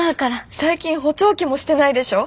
最近補聴器もしてないでしょ？